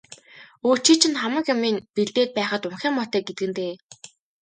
Өө, чи чинь хамаг юмыг нь бэлдээд байхад унхиа муутай гэдэг нь дээ.